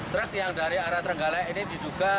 truk yang dari arah trenggalek ini diduga